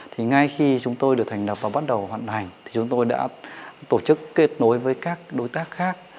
thì ngay khi chúng tôi được thành lập và bắt đầu hoạt hành thì chúng tôi đã tổ chức kết nối với các đối tác khác